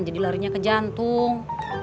jadi larinya ke jantung